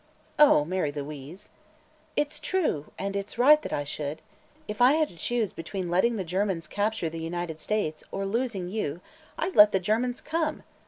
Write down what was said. "Oh, Mary Louise!" "It's true; and it's right that I should. If I had to choose between letting the Germans capture the United States, or losing you, I'd let the Germans come!